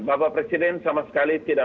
bapak presiden sama sekali tidak